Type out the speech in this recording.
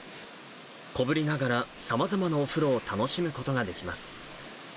小ぶりながらさまざまなお風呂を楽しむことができます。